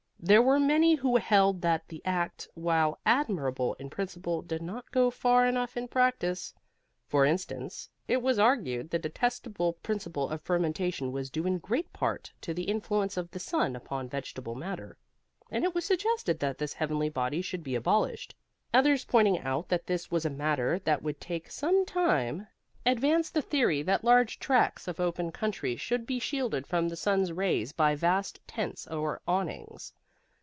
There were many who held that the Act, while admirable in principle, did not go far enough in practice. For instance, it was argued, the detestable principle of fermentation was due in great part to the influence of the sun upon vegetable matter; and it was suggested that this heavenly body should be abolished. Others, pointing out that this was a matter that would take some time, advanced the theory that large tracts of open country should be shielded from the sun's rays by vast tents or awnings.